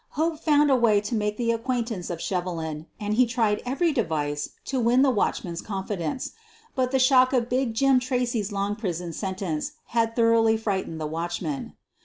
Hope found a way to make the acquaintance of Shevelin and he tried every device to win the watchman's confidence. But the shock of "Big Jim" Tracy's long prison sentence had thoroughly frightened the watchman.